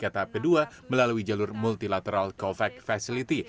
kedatangan vaksin astrazeneca tahap kedua melalui jalur multilateral covax facility